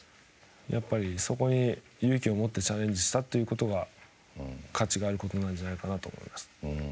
やっぱりそこに勇気を持ってチャレンジしたことが価値があることなんじゃないかなと思います。